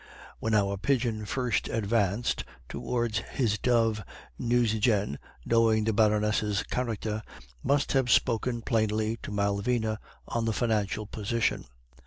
"When our pigeon first advanced towards his dove, Nucingen, knowing the Baroness' character, must have spoken plainly to Malvina on the financial position.